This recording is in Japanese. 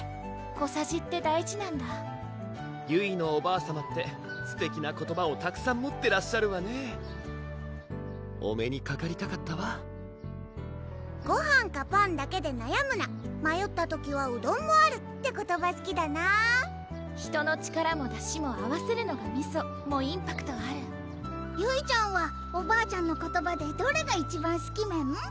小さじって大事なんだゆいのおばあさまってすてきな言葉をたくさん持ってらっしゃるわねお目にかかりたかったわ「ごはんかパンだけでなやむなまよった時はうどんもある」って言葉すきだな「人の力もだしも合わせるのがミソ」もインパクトあるゆいちゃんはおばあちゃんの言葉でどれが一番すきメン？